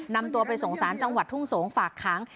นำตัวไปส่งสารจังหวัดทุ่งสงฝากค้าง